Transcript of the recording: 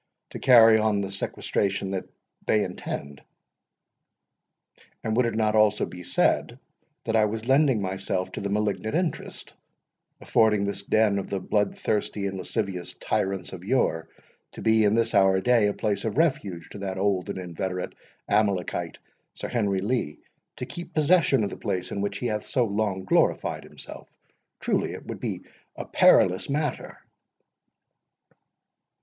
—to carry on the sequestration which they intend. And would it not also be said, that I was lending myself to the malignant interest, affording this den of the blood thirsty and lascivious tyrants of yore, to be in this our day a place of refuge to that old and inveterate Amalekite, Sir Henry Lee, to keep possession of the place in which he hath so long glorified himself? Truly it would be a perilous matter."